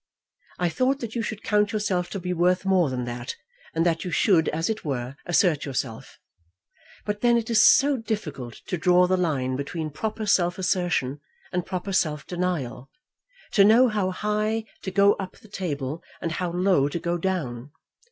I thought that you should count yourself to be worth more than that, and that you should, as it were, assert yourself. But then it is so difficult to draw the line between proper self assertion and proper self denial; to know how high to go up the table, and how low to go down.